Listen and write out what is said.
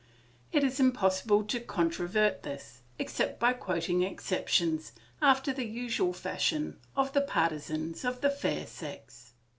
It is impossible to controvert this, except by quoting exceptions after the usual fashion of the partisans of the fair sex.